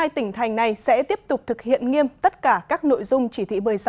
một mươi tỉnh thành này sẽ tiếp tục thực hiện nghiêm tất cả các nội dung chỉ thị một mươi sáu